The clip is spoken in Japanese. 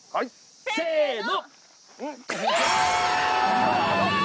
せの！